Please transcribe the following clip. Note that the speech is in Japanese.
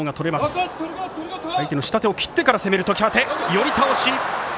寄り倒し。